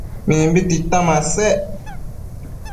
Mimbi tita masec